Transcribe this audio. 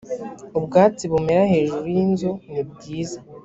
ubwatsi bumera hejuru y inzu nibwiza